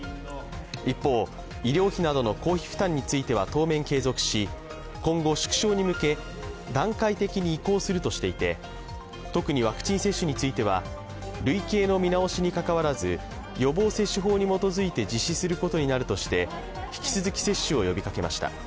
一方、医療費などの公費負担については当面継続し今後、縮小に向け、段階的に移行するとしていて、特にワクチン接種については類型の見直しにかかわらず予防接種法に基づいて実施することになるとして引き続き接種を呼びかけました。